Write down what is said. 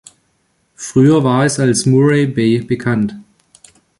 Früher war es als Murray Bay bekannt.